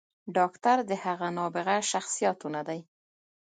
“ډاکتر د هغه نابغه شخصياتو نه دے